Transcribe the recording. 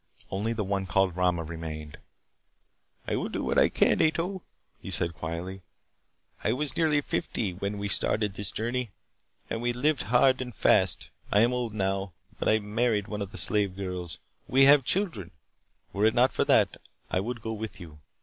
Only the one called Rama remained. "I will do what I can, Ato," he said quietly. "I was nearly fifty when we started this journey. And we lived hard and fast. I am old now. I married one of the slave girls. We have children. Were it not for that, I would go with you.